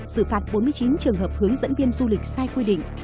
xử phạt bốn mươi chín trường hợp hướng dẫn viên du lịch sai quy định